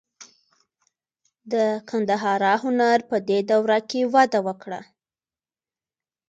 د ګندهارا هنر په دې دوره کې وده وکړه.